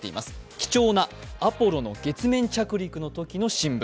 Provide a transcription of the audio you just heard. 貴重なアポロの月面着陸のときの新聞。